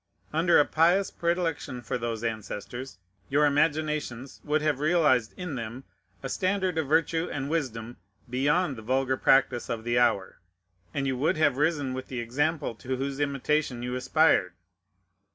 Under a pious predilection for those ancestors, your imaginations would have realized in them a standard of virtue and wisdom beyond the vulgar practice of the hour; and you would have risen with the example to whose imitation you aspired.